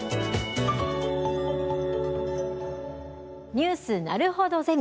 「ニュースなるほどゼミ」。